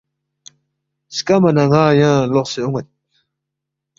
سکما نہ ن٘ا ینگ لوقسے اون٘ید